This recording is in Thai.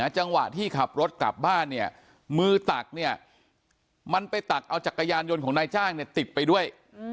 จังหวะที่ขับรถกลับบ้านเนี่ยมือตักเนี่ยมันไปตักเอาจักรยานยนต์ของนายจ้างติดไปด้วย